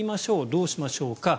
どうしましょうか。